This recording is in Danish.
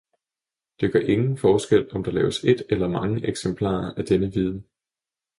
Det gør ingen forskel, om der laves et eller mange eksemplarer af denne viden.